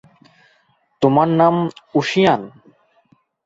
তোমার নাম ঊশিয়ান?